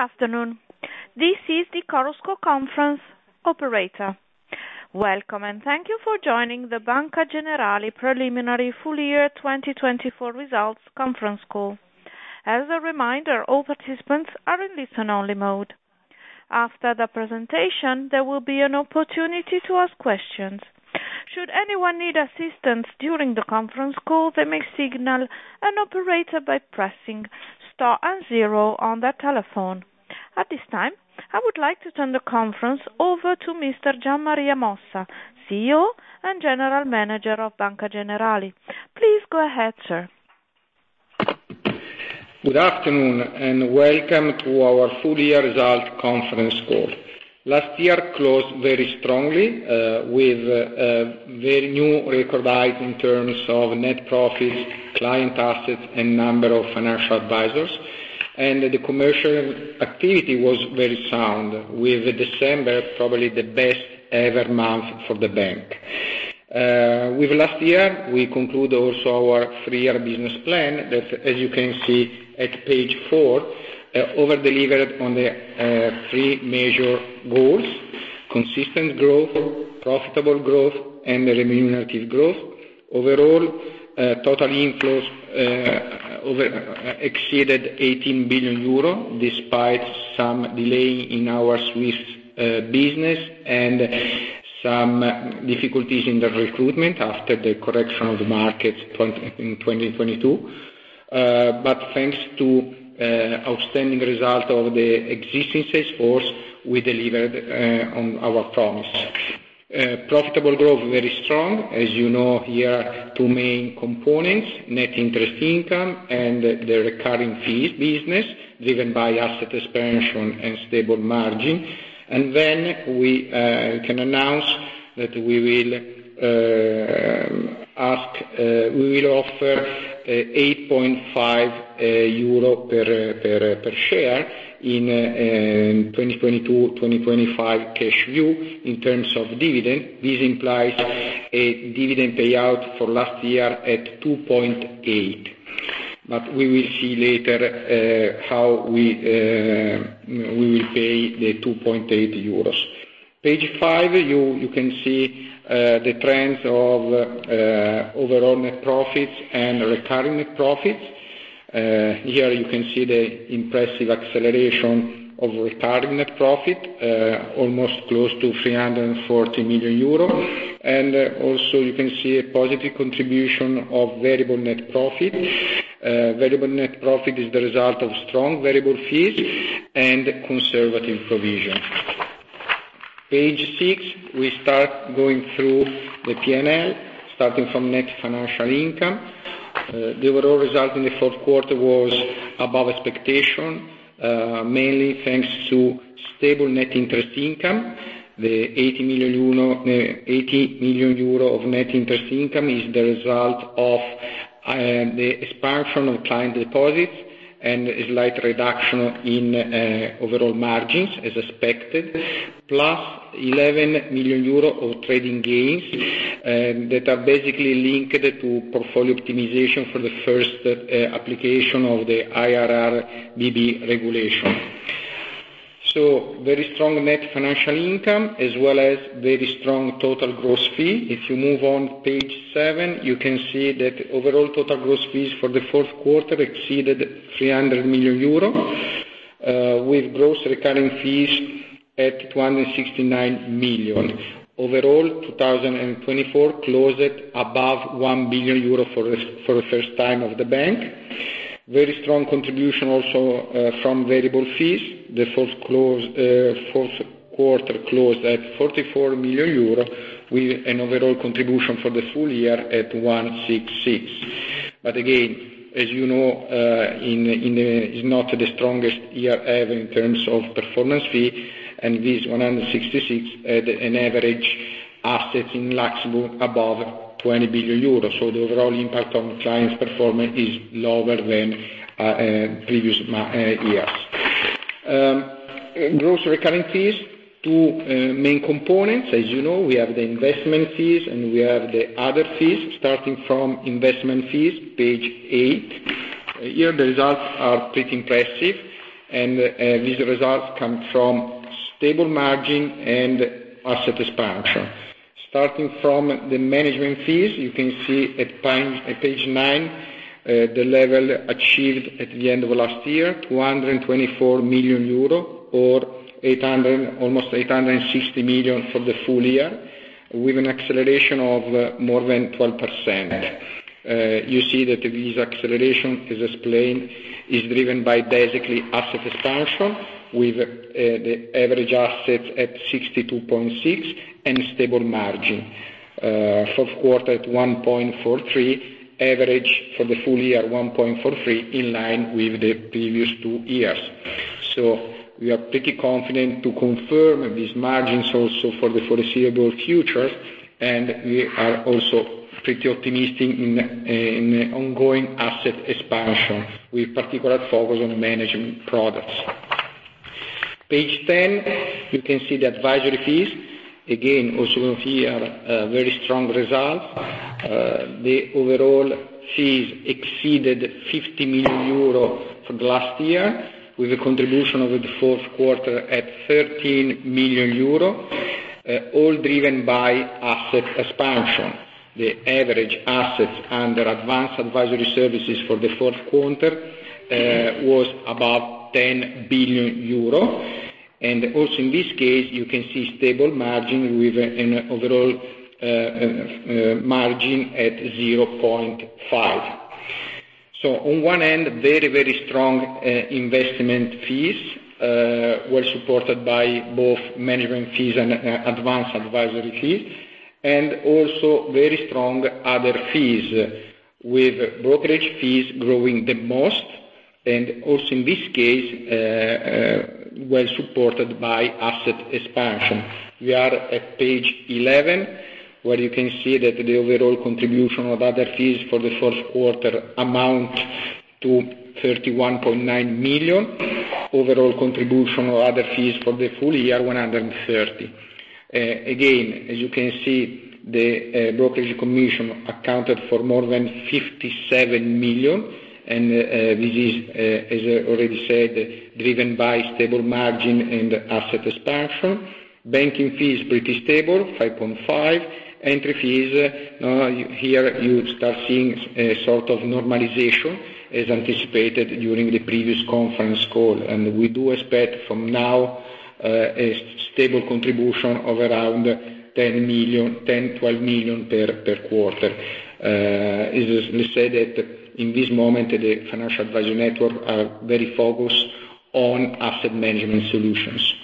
Good afternoon. This is the Chorus Call Conference Operator. Welcome, and thank you for joining the Banca Generali Preliminary Full Year 2024 Results Conference Call. As a reminder, all participants are in listen-only mode. After the presentation, there will be an opportunity to ask questions. Should anyone need assistance during the conference call, they may signal an operator by pressing Star and Zero on their telephone. At this time, I would like to turn the conference over to Mr. Gian Maria Mossa, CEO and General Manager of Banca Generali. Please go ahead, sir. Good afternoon and welcome to our Full Year Results Conference Call. Last year closed very strongly with very new record highs in terms of net profits, client assets, and number of financial advisors, and the commercial activity was very sound, with December probably the best ever month for the bank. With last year, we concluded also our three-year business plan that, as you can see at page four, over-delivered on the three major goals: consistent growth, profitable growth, and remunerative growth. Overall, total inflows exceeded 18 billion euro, despite some delay in our Swiss business and some difficulties in the recruitment after the correction of the market in 2022. But thanks to outstanding results of the existing sales force, we delivered on our promise. Profitable growth very strong. As you know, here are two main components: net interest income and the recurring fees business, driven by asset expansion and stable margin. And then we can announce that we will offer 8.5 euro per share in 2022-2025 cash view in terms of dividend. This implies a dividend payout for last year at 2.8. But we will see later how we will pay the 2.8 euros. Page five, you can see the trends of overall net profits and recurring net profits. Here you can see the impressive acceleration of recurring net profit, almost close to 340 million euros. And also you can see a positive contribution of variable net profit. Variable net profit is the result of strong variable fees and conservative provision. Page six, we start going through the P&L, starting from net financial income. The overall result in the fourth quarter was above expectation, mainly thanks to stable net interest income. The 80 million euro of net interest income is the result of the expansion of client deposits and a slight reduction in overall margins as expected, plus 11 million euro of trading gains that are basically linked to portfolio optimization for the first application of the IRRBB regulation, so very strong net financial income, as well as very strong total gross fee. If you move on to page seven, you can see that overall total gross fees for the fourth quarter exceeded 300 million euro, with gross recurring fees at 269 million. Overall, 2024 closed above 1 billion euro for the first time of the bank. Very strong contribution also from variable fees. The fourth quarter closed at 44 million euro, with an overall contribution for the full year at 166 million. But again, as you know, it's not the strongest year ever in terms of performance fee, and this 166 million had an average asset in Luxembourg above 20 billion euros. So the overall impact on clients' performance is lower than previous years. Gross recurring fees, two main components. As you know, we have the investment fees and we have the other fees, starting from investment fees, page eight. Here the results are pretty impressive, and these results come from stable margin and asset expansion. Starting from the management fees, you can see at page nine the level achieved at the end of last year, 224 million euro, or almost 860 million for the full year, with an acceleration of more than 12%. You see that this acceleration is explained is driven by basically asset expansion, with the average asset at 62.6 and stable margin. Fourth quarter at 1.43%, average for the full year 1.43%, in line with the previous two years, so we are pretty confident to confirm these margins also for the foreseeable future, and we are also pretty optimistic in ongoing asset expansion, with particular focus on management products. Page ten, you can see the advisory fees. Again, also here very strong results. The overall fees exceeded 50 million euro for the last year, with a contribution over the fourth quarter at 13 million euro, all driven by asset expansion. The average assets under advisory services for the fourth quarter was above 10 billion euro, and also in this case, you can see stable margin with an overall margin at 0.5%, so on one end, very, very strong investment fees were supported by both management fees and advanced advisory fees, and also very strong other fees, with brokerage fees growing the most. And also in this case, well supported by asset expansion. We are at page 11, where you can see that the overall contribution of other fees for the fourth quarter amount to 31.9 million. Overall contribution of other fees for the full year, 130 million. Again, as you can see, the brokerage commission accounted for more than 57 million, and this is, as I already said, driven by stable margin and asset expansion. Banking fees pretty stable, 5.5 million. Entry fees, here you start seeing a sort of normalization as anticipated during the previous conference call. And we do expect from now a stable contribution of around 10 million-12 million per quarter. It is said that in this moment, the financial advisory network are very focused on asset management solutions.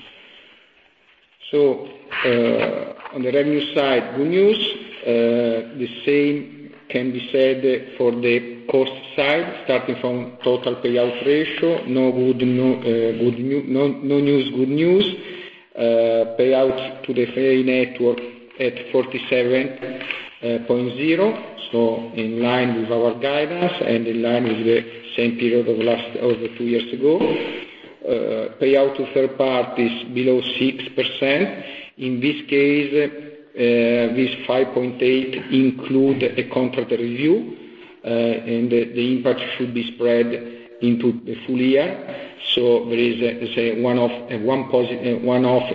So on the revenue side, good news. The same can be said for the cost side, starting from total payout ratio. No news, good news. Payout to the FA network at 47.0, so in line with our guidance and in line with the same period of two years ago. Payout to third parties below 6%. In this case, this 5.8 includes a contract review, and the impact should be spread into the full year. So there is one-off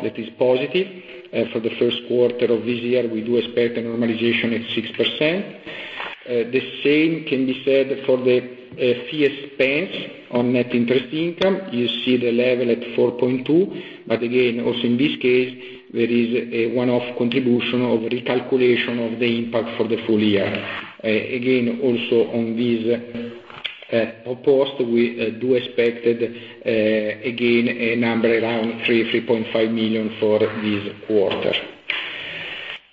that is positive. For the first quarter of this year, we do expect a normalization at 6%. The same can be said for the fee expense on net interest income. You see the level at 4.2. But again, also in this case, there is a one-off contribution of recalculation of the impact for the full year. Again, also on these posts, we do expect again a number around EUR 3-€3.5 million for this quarter.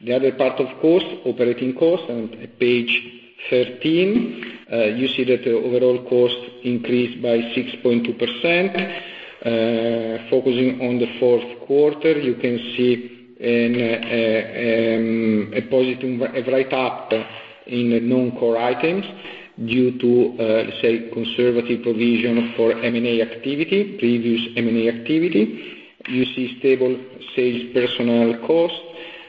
The other part of cost, operating cost, on page 13, you see that the overall cost increased by 6.2%. Focusing on the fourth quarter, you can see a positive write-up in non-core items due to, let's say, conservative provision for M&A activity, previous M&A activity. You see stable sales personnel cost,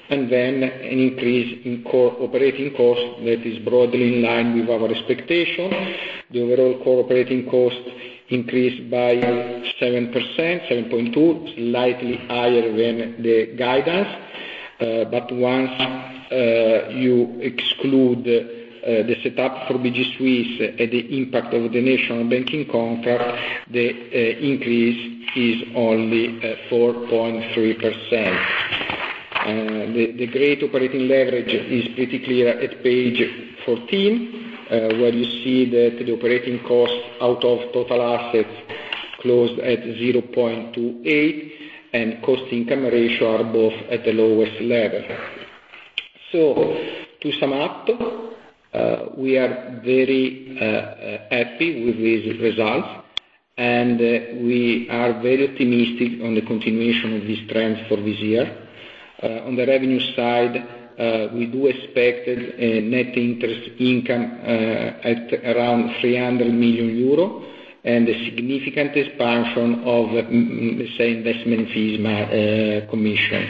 and then an increase in core operating cost that is broadly in line with our expectation. The overall core operating cost increased by 7%, 7.2%, slightly higher than the guidance. But once you exclude the setup for BG Suisse and the impact of the national banking contract, the increase is only 4.3%. The great operating leverage is pretty clear at page 14, where you see that the operating cost out of total assets closed at 0.28, and cost/income ratio are both at the lowest level. So to sum up, we are very happy with these results, and we are very optimistic on the continuation of this trend for this year. On the revenue side, we do expect a net interest income at around 300 million euro and a significant expansion of, let's say, investment fees commission.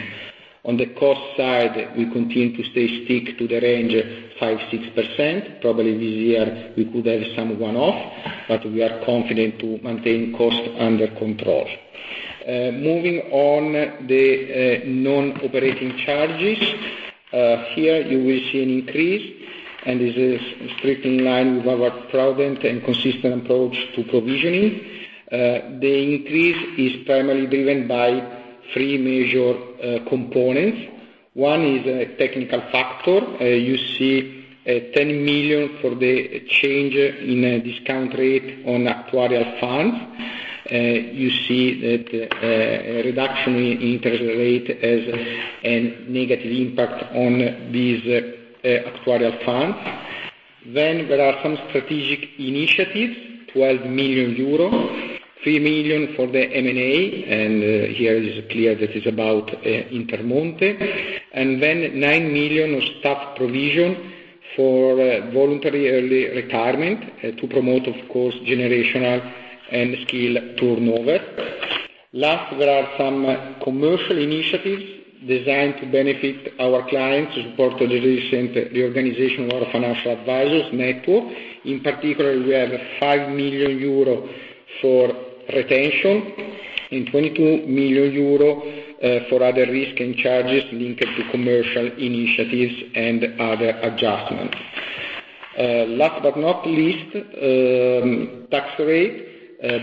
On the cost side, we continue to stick to the range of 5%-6%. Probably this year, we could have some one-off, but we are confident to maintain costs under control. Moving on, the non-operating charges. Here you will see an increase, and this is strictly in line with our proven and consistent approach to provisioning. The increase is primarily driven by three major components. One is a technical factor. You see 10 million for the change in discount rate on actuarial funds. You see that a reduction in interest rate has a negative impact on these actuarial funds. Then there are some strategic initiatives: 12 million euros, 3 million for the M&A, and here it is clear that it's about Intermonte. And then 9 million of staff provision for voluntary early retirement to promote, of course, generational and skill turnover. Last, there are some commercial initiatives designed to benefit our clients to support the recent reorganization of our financial advisors network. In particular, we have 5 million euro for retention and 22 million euro for other risk and charges linked to commercial initiatives and other adjustments. Last but not least, tax rate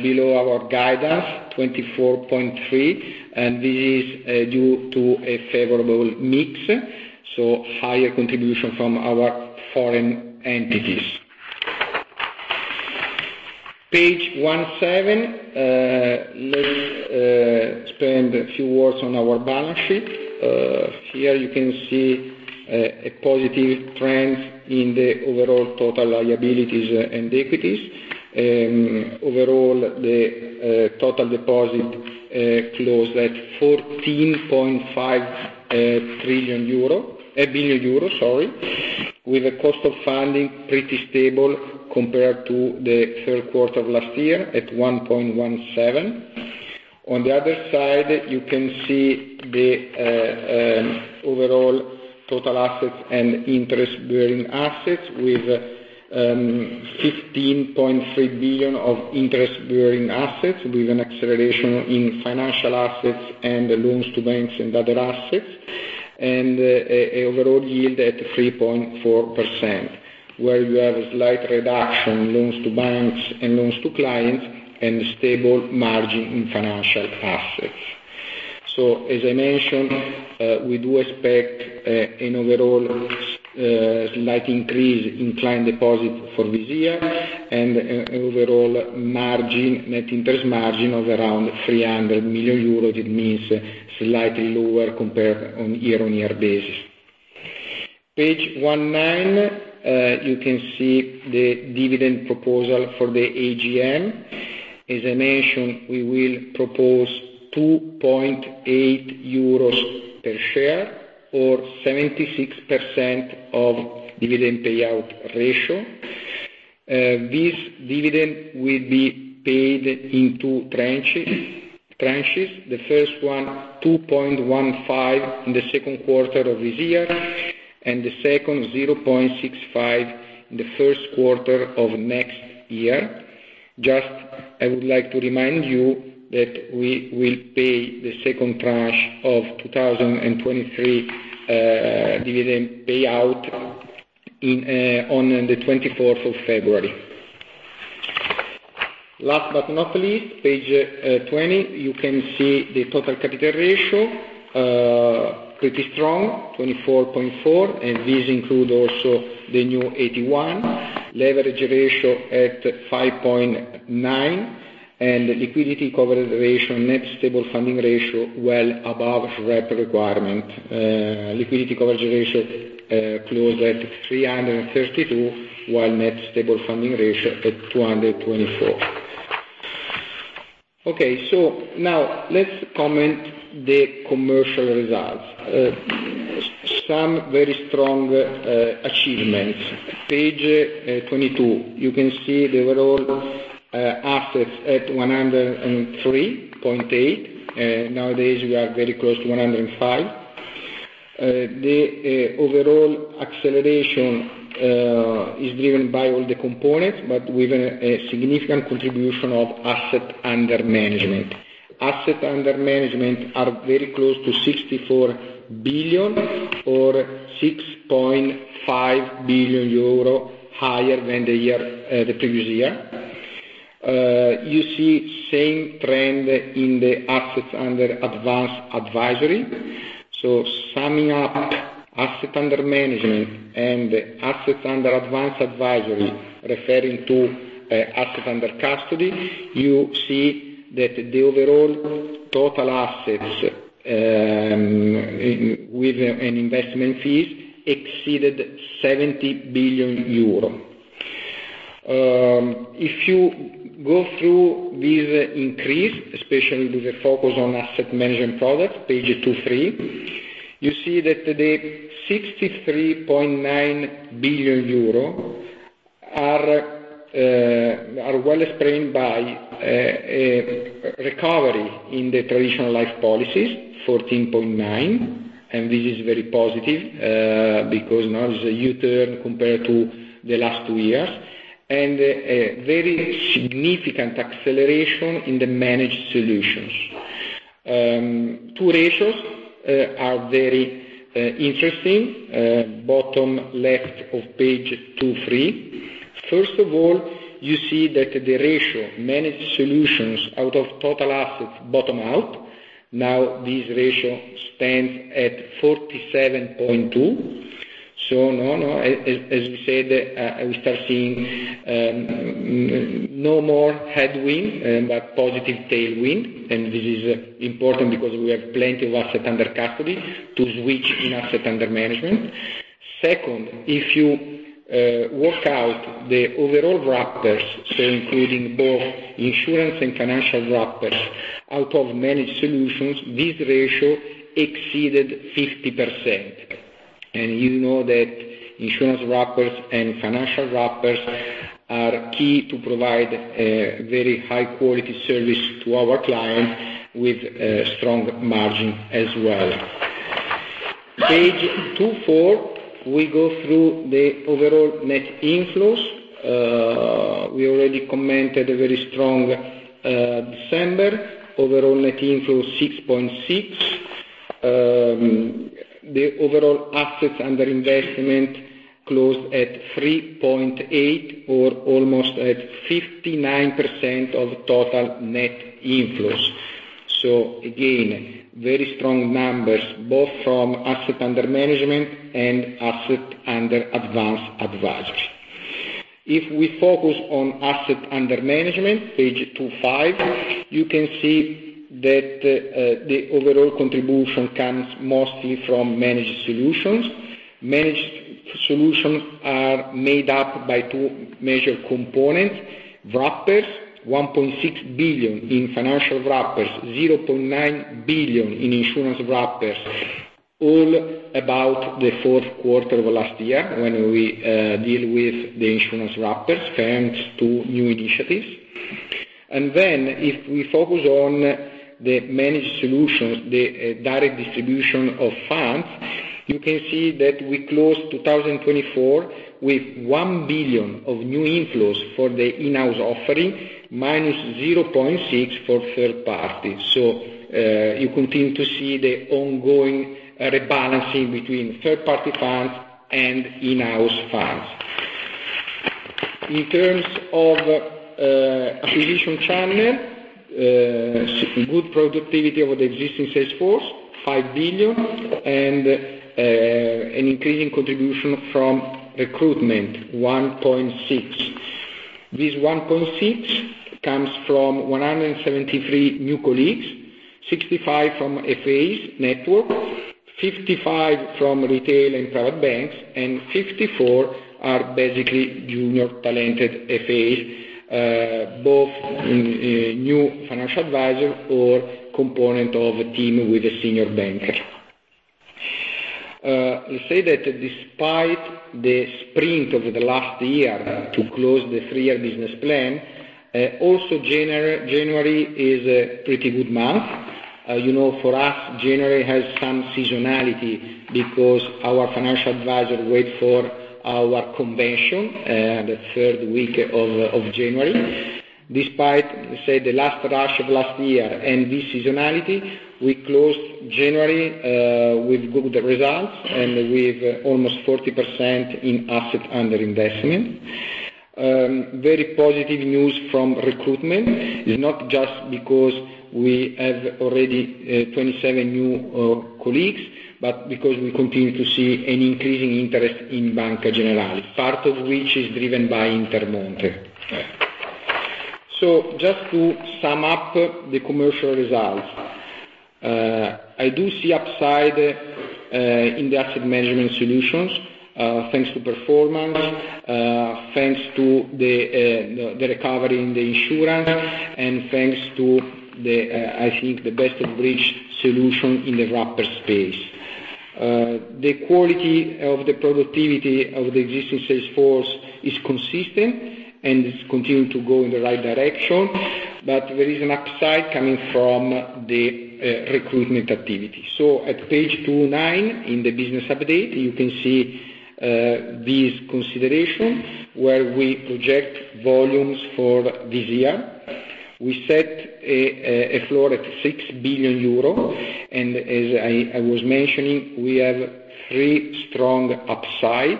below our guidance, 24.3, and this is due to a favorable mix, so higher contribution from our foreign entities. Page 17, let me spend a few words on our balance sheet. Here you can see a positive trend in the overall total liabilities and equities. Overall, the total deposit closed at 14.5 trillion euro, 1 billion euro, sorry, with a cost of funding pretty stable compared to the third quarter of last year at 1.17. On the other side, you can see the overall total assets and interest-bearing assets with 15.3 billion of interest-bearing assets, with an acceleration in financial assets and loans to banks and other assets, and an overall yield at 3.4%, where you have a slight reduction in loans to banks and loans to clients and stable margin in financial assets. So, as I mentioned, we do expect an overall slight increase in client deposit for this year and an overall net interest margin of around 300 million euros. It means slightly lower compared on year-on-year basis. Page 19, you can see the dividend proposal for the AGM. As I mentioned, we will propose 2.8 euros per share or 76% of dividend payout ratio. This dividend will be paid in two tranches. The first one, 2.15 in the second quarter of this year, and the second, 0.65 in the first quarter of next year. Just, I would like to remind you that we will pay the second tranche of 2023 dividend payout on the 24th of February. Last but not least, page 20, you can see the total capital ratio, pretty strong, 24.4%, and these include also the new 8.1%, leverage ratio at 5.9%, and liquidity coverage ratio, net stable funding ratio, well above regulatory requirement. Liquidity coverage ratio closed at 332%, while net stable funding ratio at 224%. Okay, so now let's comment on the commercial results. Some very strong achievements. Page 22, you can see the overall assets at 103.8 billion. Nowadays, we are very close to 105 billion. The overall acceleration is driven by all the components, but with a significant contribution of assets under management. Asset under management are very close to 64 billion or 6.5 billion euro higher than the previous year. You see the same trend in the assets under advisory services. So summing up assets under management and assets under advisory services, referring to assets under custody, you see that the overall total assets with investment fees exceeded 70 billion euro. If you go through this increase, especially with a focus on asset management products, page 23, you see that the 63.9 billion euro are well spent by recovery in the traditional life policies, 14.9 billion, and this is very positive because now it's a U-turn compared to the last two years, and a very significant acceleration in the managed solutions. Two ratios are very interesting. Bottom left of page 23. First of all, you see that the ratio managed solutions out of total assets bottom out. Now this ratio stands at 47.2%. So no, no, as we said, we start seeing no more headwind, but positive tailwind, and this is important because we have plenty of assets under custody to switch in assets under management. Second, if you work out the overall wrappers, so including both insurance and financial wrappers out of managed solutions, this ratio exceeded 50%. And you know that insurance wrappers and financial wrappers are key to provide a very high-quality service to our clients with strong margin as well. Page 24, we go through the overall net inflows. We already commented a very strong December. Overall net inflow is 6.6. The overall assets under investment closed at 3.8 or almost at 59% of total net inflows. So again, very strong numbers both from assets under management and assets under advisory services. If we focus on assets under management, page 25, you can see that the overall contribution comes mostly from managed solutions. Managed solutions are made up by two major components: wrappers, 1.6 billion in financial wrappers, 0.9 billion in insurance wrappers, all about the fourth quarter of last year when we deal with the insurance wrappers thanks to new initiatives, and then if we focus on the managed solutions, the direct distribution of funds, you can see that we closed 2024 with 1 billion of new inflows for the in-house offering, minus 0.6 for third parties, so you continue to see the ongoing rebalancing between third-party funds and in-house funds. In terms of acquisition channel, good productivity of the existing sales force, 5 billion, and an increasing contribution from recruitment, 1.6. This 1.6 comes from 173 new colleagues, 65 from FA network, 55 from retail and private banks, and 54 are basically junior talented FAs, both in new financial advisor or component of a team with a senior banker. Let's say that despite the sprint of the last year to close the three-year business plan, also January is a pretty good month. You know, for us, January has some seasonality because our financial advisor waits for our convention the third week of January. Despite, let's say, the last rush of last year and this seasonality, we closed January with good results and with almost 40% in assets under investment. Very positive news from recruitment. It's not just because we have already 27 new colleagues, but because we continue to see an increasing interest in Banca Generali, part of which is driven by Intermonte. So just to sum up the commercial results, I do see upside in the asset management solutions thanks to performance, thanks to the recovery in the insurance, and thanks to, I think, the best of breed solution in the wrapper space. The quality of the productivity of the existing sales force is consistent, and it's continuing to go in the right direction, but there is an upside coming from the recruitment activity. So at page 29 in the business update, you can see this consideration where we project volumes for this year. We set a floor at 6 billion euro, and as I was mentioning, we have three strong upsides.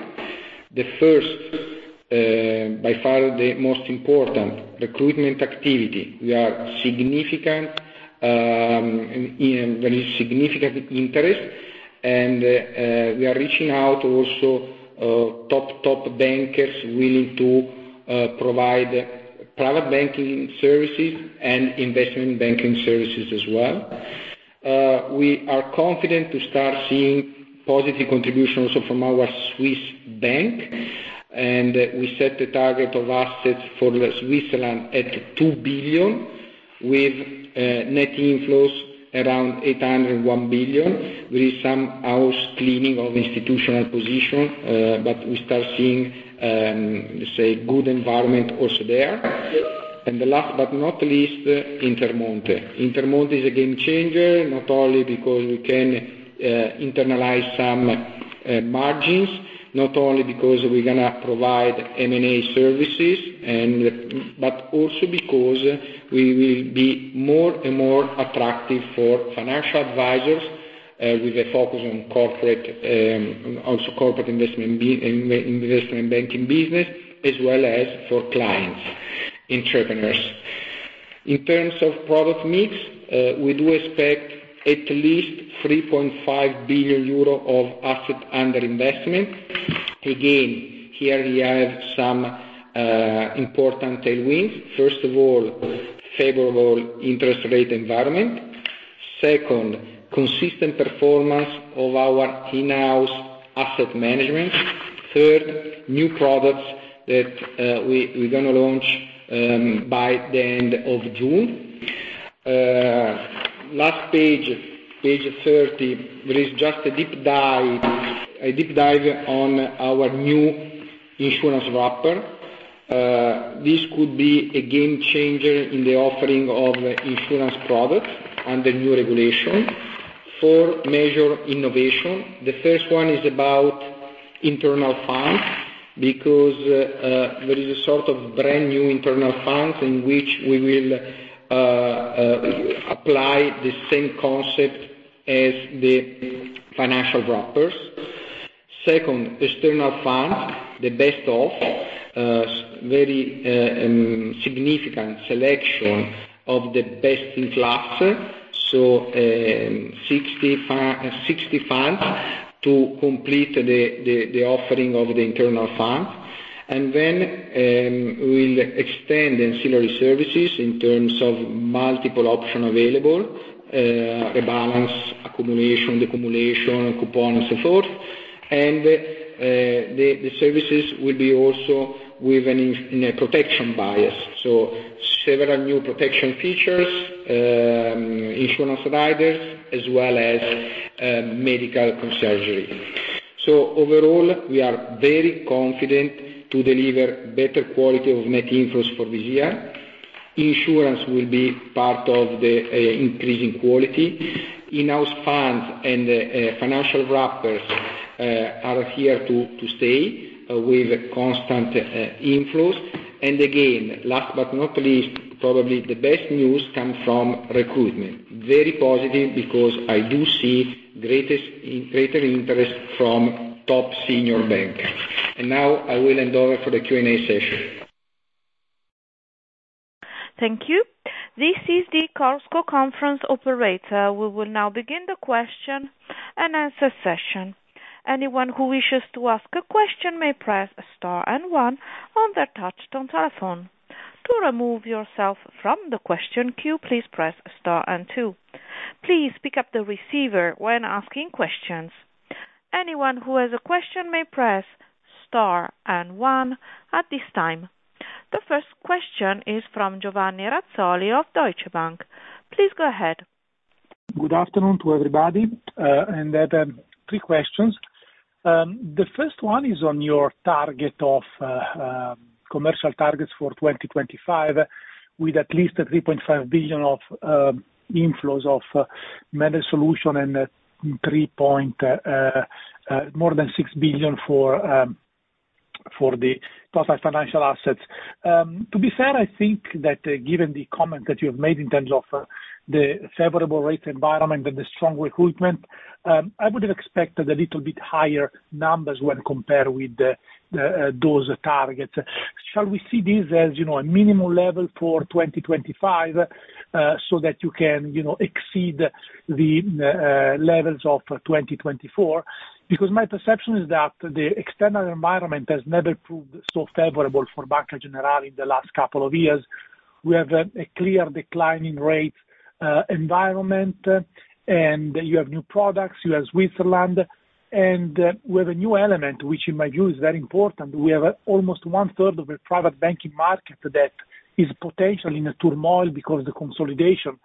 The first, by far the most important recruitment activity, we are seeing a very significant interest, and we are reaching out also to top bankers willing to provide private banking services and investment banking services as well. We are confident to start seeing positive contributions also from our Swiss bank, and we set the target of assets for Switzerland at 2 billion with net inflows around 800 million. There is some house cleaning of institutional position, but we start seeing, let's say, good environment also there, and last but not least, Intermonte. Intermonte is a game changer, not only because we can internalize some margins, not only because we're going to provide M&A services, but also because we will be more and more attractive for financial advisors with a focus on corporate, also corporate investment banking business, as well as for clients, entrepreneurs. In terms of product mix, we do expect at least 3.5 billion euro of assets under investment. Again, here we have some important tailwinds. First of all, favorable interest rate environment. Second, consistent performance of our in-house asset management. Third, new products that we're going to launch by the end of June. Last page, page 30, there is just a deep dive on our new insurance wrapper. This could be a game changer in the offering of insurance products under new regulation. Four, major innovation. The first one is about internal funds because there is a sort of brand new internal funds in which we will apply the same concept as the financial wrappers. Second, external funds, the best of, very significant selection of the best in class. So 60 funds to complete the offering of the internal funds. And then we'll extend ancillary services in terms of multiple options available, a balance, accumulation, coupon, and so forth. And the services will be also within a protection bias. So several new protection features, insurance riders, as well as medical concierge. So overall, we are very confident to deliver better quality of net inflows for this year. Insurance will be part of the increasing quality. In-house funds and financial wrappers are here to stay with constant inflows. And again, last but not least, probably the best news comes from recruitment. Very positive because I do see greater interest from top senior bankers. And now I will hand over for the Q&A session. Thank you. This is the Chorus conference operator. We will now begin the question and answer session. Anyone who wishes to ask a question may press star and one on their touch-tone telephone. To remove yourself from the question queue, please press star and two. Please pick up the receiver when asking questions. Anyone who has a question may press star and one at this time. The first question is from Giovanni Razzoli of Deutsche Bank. Please go ahead. Good afternoon to everybody. I have three questions. The first one is on your target of commercial targets for 2025 with at least 3.5 billion of inflows of managed solution and more than 6 billion for the total financial assets. To be fair, I think that given the comments that you have made in terms of the favorable rate environment and the strong recruitment, I would have expected a little bit higher numbers when compared with those targets. Shall we see this as a minimum level for 2025 so that you can exceed the levels of 2024? Because my perception is that the external environment has never proved so favorable for Banca Generali in the last couple of years. We have a clear decline in rate environment, and you have new products, you have Switzerland, and we have a new element which, in my view, is very important. We have almost one-third of a private banking market that is potentially in a turmoil because of the consolidation,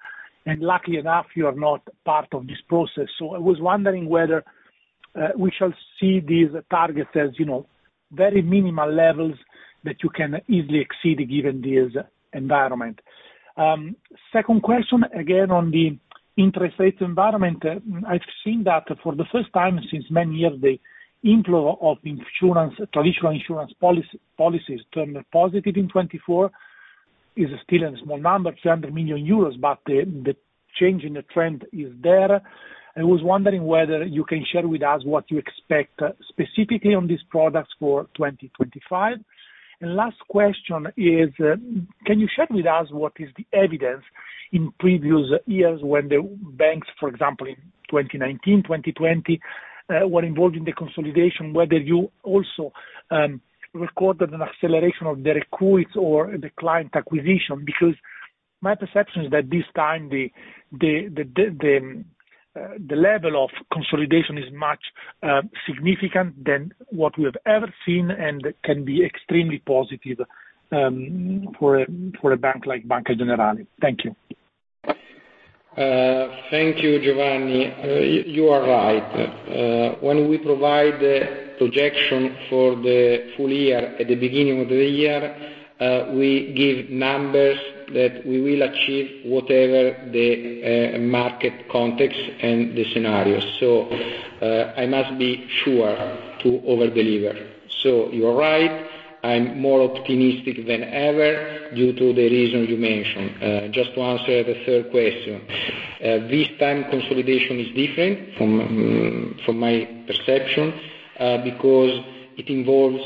and luckily enough, you are not part of this process, so I was wondering whether we shall see these targets as very minimal levels that you can easily exceed given this environment. Second question, again on the interest rate environment, I've seen that for the first time since many years, the inflow of traditional insurance policies turned positive in 2024. It's still a small number, 300 million euros, but the change in the trend is there. I was wondering whether you can share with us what you expect specifically on these products for 2025. Last question is, can you share with us what is the evidence in previous years when the banks, for example, in 2019, 2020, were involved in the consolidation, whether you also recorded an acceleration of the recruits or the client acquisition? Because my perception is that this time the level of consolidation is much more significant than what we have ever seen and can be extremely positive for a bank like Banca Generali. Thank you. Thank you, Giovanni. You are right. When we provide the projection for the full year at the beginning of the year, we give numbers that we will achieve whatever the market context and the scenarios. So I must be sure to overdeliver. So you are right. I'm more optimistic than ever due to the reason you mentioned. Just to answer the third question, this time consolidation is different from my perception because it involves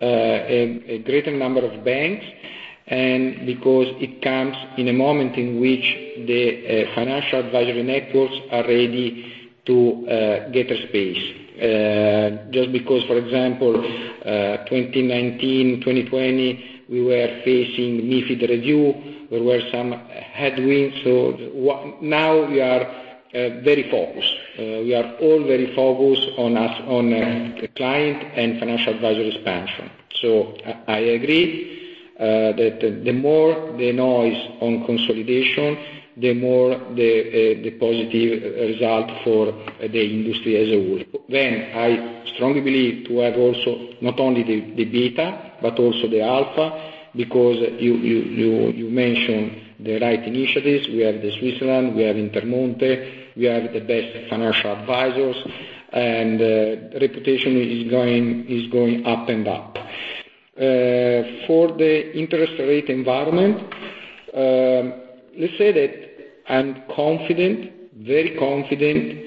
a greater number of banks and because it comes in a moment in which the financial advisory networks are ready to get a space. Just because, for example, 2019, 2020, we were facing MiFID review. There were some headwinds. So now we are very focused. We are all very focused on the client and financial advisory expansion. So I agree that the more the noise on consolidation, the more the positive result for the industry as a whole. Then I strongly believe to have also not only the beta, but also the alpha because you mentioned the right initiatives. We have the Switzerland, we have Intermonte, we have the best financial advisors, and reputation is going up and up. For the interest rate environment, let's say that I'm confident, very confident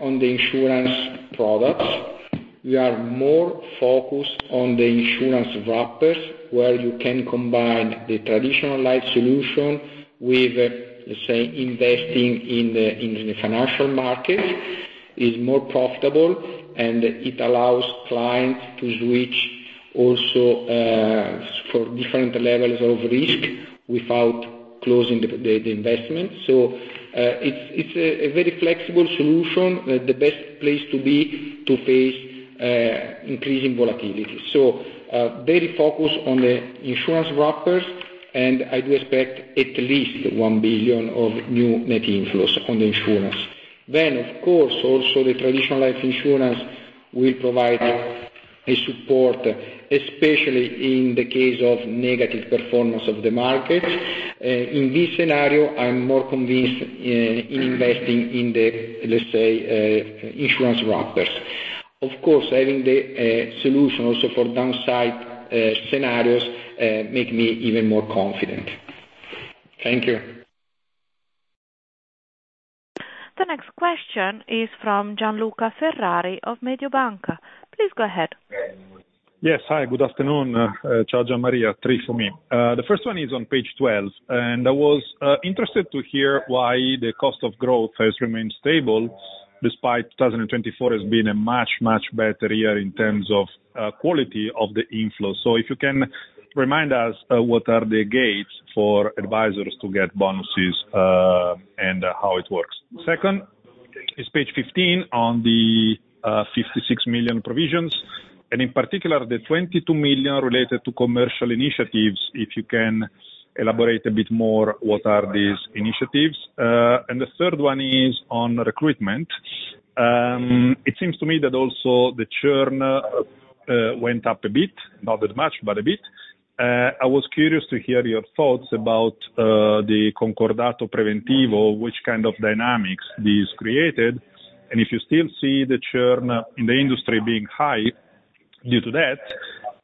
on the insurance products. We are more focused on the insurance wrappers where you can combine the traditional life solution with, let's say, investing in the financial markets. It's more profitable, and it allows clients to switch also for different levels of risk without closing the investment. So it's a very flexible solution, the best place to be to face increasing volatility. So very focused on the insurance wrappers, and I do expect at least 1 billion of new net inflows on the insurance. Then, of course, also the traditional life insurance will provide support, especially in the case of negative performance of the markets. In this scenario, I'm more convinced in investing in the, let's say, insurance wrappers. Of course, having the solution also for downside scenarios makes me even more confident. Thank you. The next question is from Gianluca Ferrari of Mediobanca. Please go ahead. Yes. Hi. Good afternoon, Gian Maria. Three for me. The first one is on page 12, and I was interested to hear why the cost of growth has remained stable despite 2024 as being a much, much better year in terms of quality of the inflows. So if you can remind us what are the gates for advisors to get bonuses and how it works. Second is page 15 on the 56 million provisions, and in particular, the 22 million related to commercial initiatives. If you can elaborate a bit more what are these initiatives. And the third one is on recruitment. It seems to me that also the churn went up a bit, not that much, but a bit. I was curious to hear your thoughts about the Concordato Preventivo, which kind of dynamics this created, and if you still see the churn in the industry being high due to that,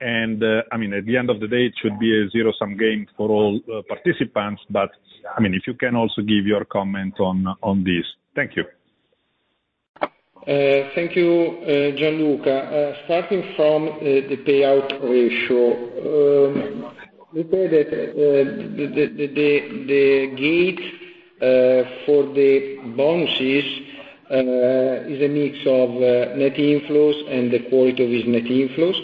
and I mean, at the end of the day, it should be a zero-sum game for all participants, but I mean, if you can also give your comment on this. Thank you. Thank you, Gian Luca. Starting from the payout ratio, let's say that the gate for the bonuses is a mix of net inflows and the quality of these net inflows.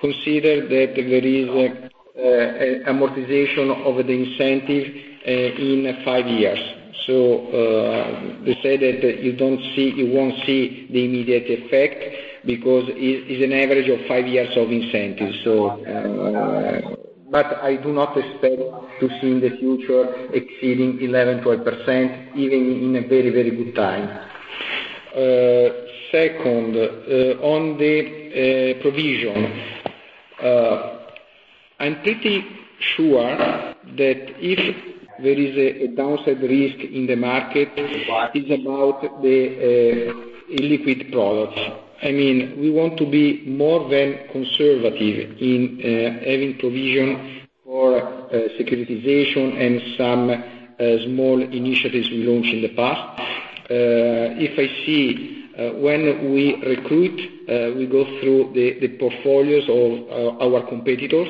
Consider that there is amortization of the incentive in five years. So let's say that you won't see the immediate effect because it's an average of five years of incentives. But I do not expect to see in the future exceeding 11%-12%, even in a very, very good time. Second, on the provision, I'm pretty sure that if there is a downside risk in the market, it's about the illiquid products. I mean, we want to be more than conservative in having provision for securitization and some small initiatives we launched in the past. If I see when we recruit, we go through the portfolios of our competitors,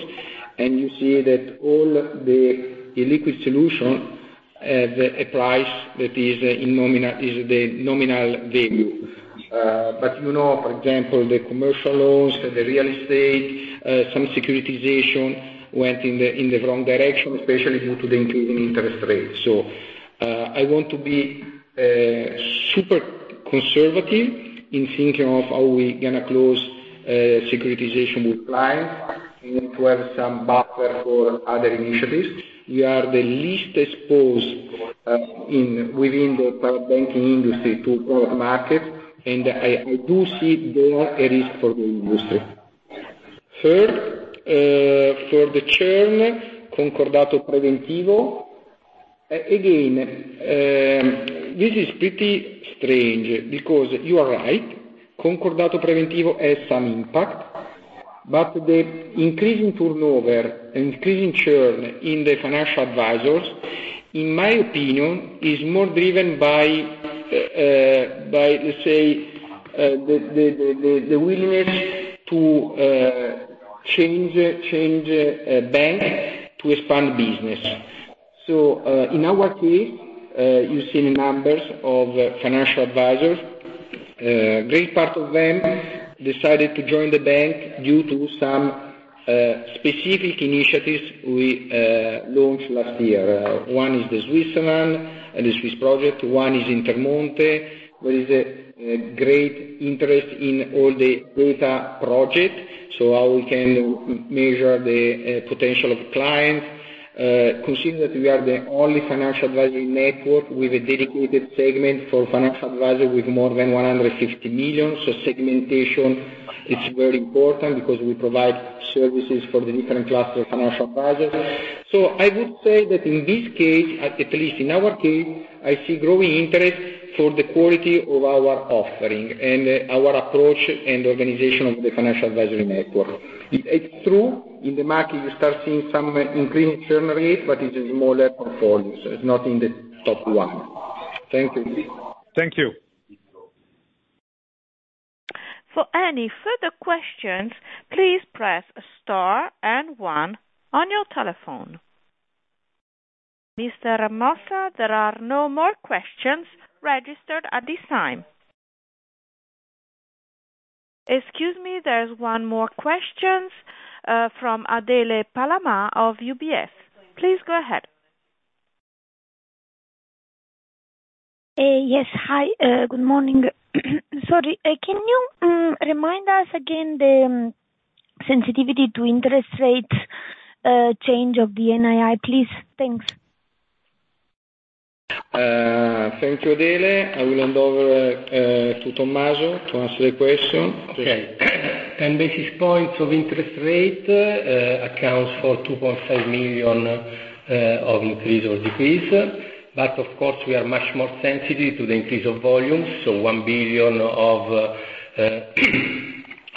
and you see that all the illiquid solutions have a price that is the nominal value. But you know, for example, the commercial loans, the real estate, some securitization went in the wrong direction, especially due to the increasing interest rates. So I want to be super conservative in thinking of how we're going to close securitization with clients and to have some buffer for other initiatives. We are the least exposed within the private banking industry to product markets, and I do see there a risk for the industry. Third, for the churn, Concordato Preventivo, again, this is pretty strange because you are right. Concordato Preventivo has some impact, but the increasing turnover, increasing churn in the financial advisors, in my opinion, is more driven by, let's say, the willingness to change banks to expand business. So in our case, you've seen numbers of financial advisors. A great part of them decided to join the bank due to some specific initiatives we launched last year. One is the Switzerland and the Swiss project. One is Intermonte, where there is a great interest in all the data projects, so how we can measure the potential of clients. Consider that we are the only financial advisory network with a dedicated segment for financial advisors with more than 150 million. So segmentation is very important because we provide services for the different clusters of financial advisors. So I would say that in this case, at least in our case, I see growing interest for the quality of our offering and our approach and organization of the financial advisory network. It's true in the market, you start seeing some increasing churn rate, but it's a smaller portfolio. So it's not in the top one. Thank you. Thank you. For any further questions, please press star and one on your telephone. Mr. Mossa, there are no more questions registered at this time. Excuse me, there's one more question from Adele Palama of UBS. Please go ahead. Yes. Hi. Good morning. Sorry. Can you remind us again the sensitivity to interest rate change of the NII, please? Thanks. Thank you, Adele. I will hand over to Tommaso to answer the question. Okay. 10 basis points of interest rate accounts for 2.5 million of increase or decrease. But of course, we are much more sensitive to the increase of volumes. So 1 billion of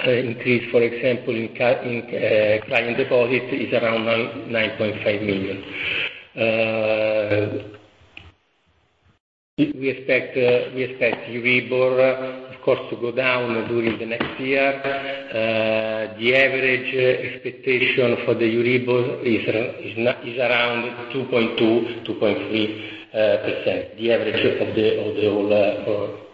increase, for example, in client deposits is around 9.5 million. We expect Euribor, of course, to go down during the next year. The average expectation for the Euribor is around 2.2-2.3%, the average of the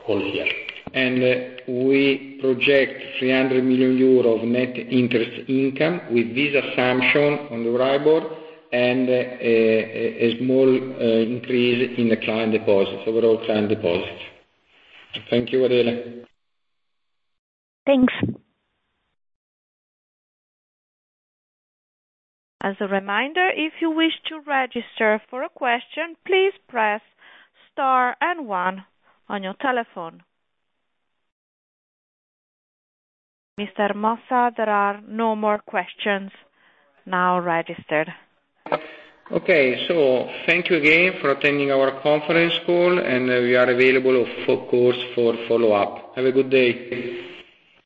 whole year. And we project 300 million euro of net interest income with this assumption on the Euribor and a small increase in the client deposits, overall client deposits. Thank you, Adele. Thanks. As a reminder, if you wish to register for a question, please press star and one on your telephone. Mr. Mossa, there are no more questions now registered. Okay. So thank you again for attending our conference call, and we are available, of course, for follow-up. Have a good day.